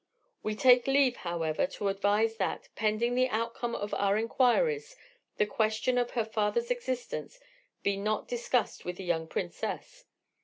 We take leave, however, to advise that, pending the outcome of our enquiries, the question of her father's existence be not discussed with the young princess.